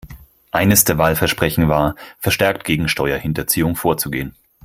Eines der Wahlversprechen war, verstärkt gegen Steuerhinterziehung vorzugehen.